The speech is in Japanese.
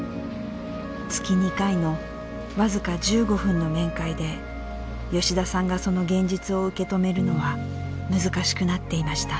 月２回の僅か１５分の面会で吉田さんがその現実を受け止めるのは難しくなっていました。